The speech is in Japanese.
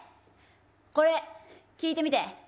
これ、聴いてみて！